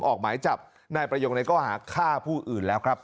ออกหมายจับนายประยงในข้อหาฆ่าผู้อื่นแล้วครับ